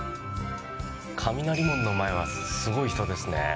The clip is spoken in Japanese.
雷門の前はすごい人ですね。